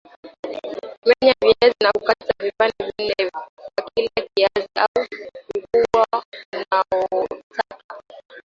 Menya viazi na kukata vipande nne kwa kila kiazi au ukubwa unaotaka